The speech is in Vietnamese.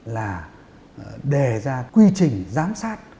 là đề ra quy trình giám sát